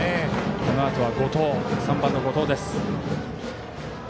このあとは３番の後藤です。